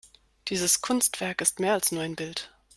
Dieses Kunstwerk ist mehr als nur ein Bild.